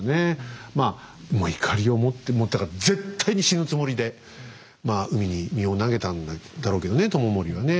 まあもういかりを持ってもうだから絶対に死ぬつもりでまあ海に身を投げたんだろうけどね知盛はね。